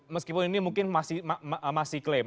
meskipun ini mungkin masih klaim